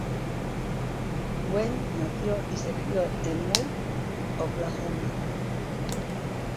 Wayne nació y se crio en Moore, Oklahoma.